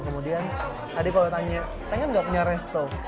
kemudian adik adik tanya pengen nggak punya resto